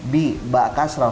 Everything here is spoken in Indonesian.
bi ba kasrah